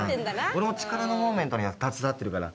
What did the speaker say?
俺も力のモーメントには携わってるから。